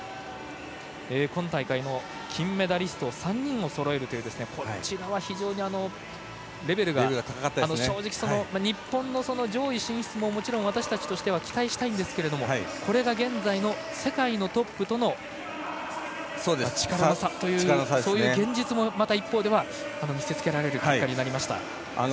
今大会も金メダリスト３人をそろえるというこちらは非常にレベルが正直、日本の上位進出も私たちとしては期待したいんですがこれが現在の世界のトップとの力の差というそういう現実も、また一方で見せ付けられる結果になりました。